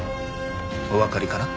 おわかりかな？